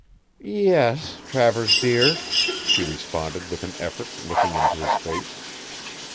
"Ye es, Travers dear," she responded with an effort, looking into his face.